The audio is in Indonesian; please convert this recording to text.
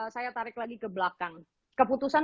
saya tarik lagi ke belakang keputusan